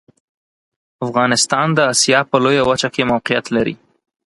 افغانستان د اسیا په لویه وچه کې موقعیت لري.